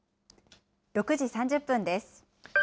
６時３０分です。